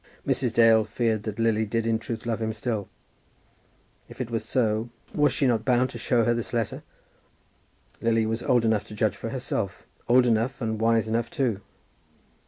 Mrs. Dale feared that Lily did in truth love him still. If it was so, was she not bound to show her this letter? Lily was old enough to judge for herself, old enough, and wise enough too.